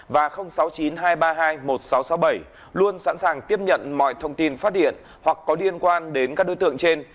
và sáu mươi chín hai trăm ba mươi hai một nghìn sáu trăm sáu mươi bảy luôn sẵn sàng tiếp nhận mọi thông tin phát điện hoặc có liên quan đến các đối tượng trên